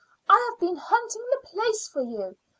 "I have been hunting the place for you.